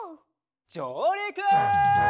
じょうりく！